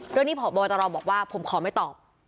เรื่องนี้พบตรบอกว่าผมขอไม่ตอบ